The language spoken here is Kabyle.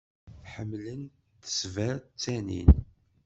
Ḥemmlen tezfer ttanin.